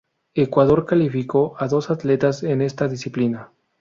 Ecuador calificó a dos atletas en esta disciplina.